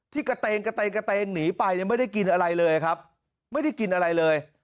ที่กระเตงกระเตงกระเตงหนีไปเนี่ยไม่ได้กินอะไรเลยครับไม่ได้กินอะไรเลย